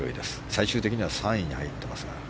最終的には３位に入ってます。